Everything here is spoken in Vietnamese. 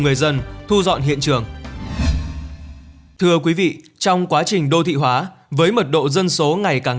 người dân thu dọn hiện trường thưa quý vị trong quá trình đô thị hóa với mật độ dân số ngày càng